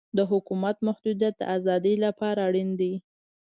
د حکومت محدودیت د ازادۍ لپاره اړین دی.